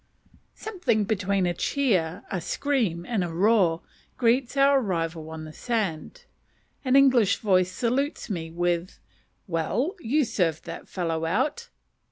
Something between a cheer, a scream, and a roar, greets our arrival on the sand. An English voice salutes me with "Well, you served that fellow out."